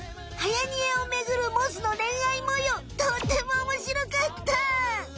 はやにえをめぐるモズのれんあいもようとってもおもしろかった！